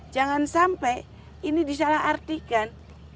jangan sampai ini disalah artikan